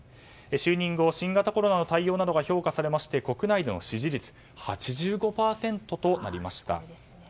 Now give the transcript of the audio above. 就任後、新型コロナの対応などが評価されまして国内の支持率が８５％となりました。